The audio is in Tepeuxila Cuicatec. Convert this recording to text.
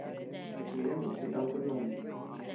Chidan nichiy ama kuch-nùni.